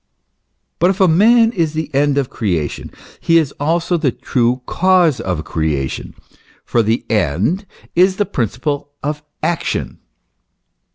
But if man is the end of creation, he is also the true cause of creation, for the end is the principle of action.